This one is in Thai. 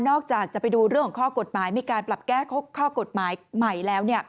จากจะไปดูเรื่องของข้อกฎหมายมีการปรับแก้ข้อกฎหมายใหม่แล้ว